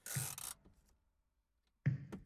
Ko`p gaplaringni eslab yuraman